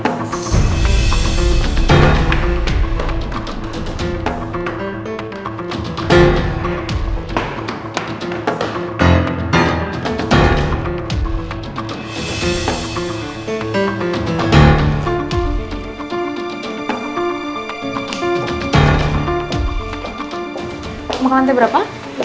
mau makan nanti berapa